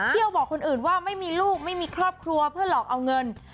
เที่ยวบอกคนอื่นว่าไม่มีลูกไม่มีครอบครัวเพื่อหลอกเอาเงิน